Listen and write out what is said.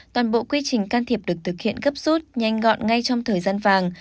toàn bộ quy trình can thiệp được thực hiện gấp rút nhanh gọn ngay trong thời gian vàng